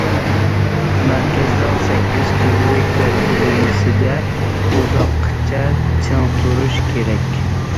مەركەزنىڭ سەككىز تۈرلۈك بەلگىلىمىسىدە ئۇزاققىچە چىڭ تۇرۇش كېرەك.